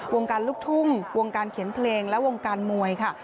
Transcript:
วงการลูกทุ่งวงการเขียนเพลงและวงการมวยค่ะ